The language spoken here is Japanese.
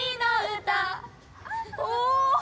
お！